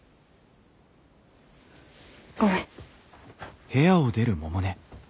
ごめん。